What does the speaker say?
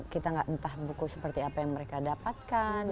kita gak entah buku seperti apa yang mereka dapatkan